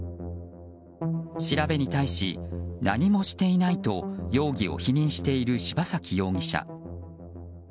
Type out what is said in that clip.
調べに対し何もしていないと容疑を否認している柴崎容疑者。